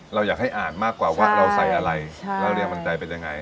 เราอยากให้อ่านมากกว่าว่าเราใส่อะไรแล้วเนี่ยมันใจเป็นยังไง